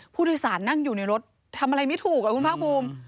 ผู้โดยสารนั่งอยู่ในรถทำอะไรไม่ถูกคุณภาคภูมิ